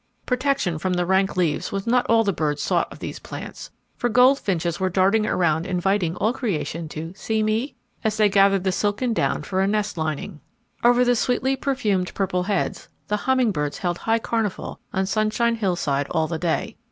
Protection from the rank leaves was not all the birds sought of these plants, for goldfinches were darting around inviting all creation to "See me?" as they gathered the silken down for nest lining. Over the sweetly perfumed purple heads, the humming birds held high carnival on Sunshine Hillside all the day.